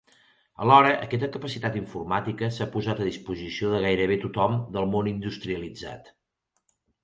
Alhora, aquesta capacitat informàtica s'ha posat a disposició de gairebé tothom del món industrialitzat.